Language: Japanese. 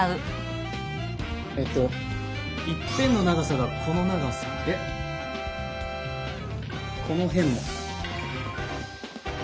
えっと一辺の長さがこの長さでこの辺も。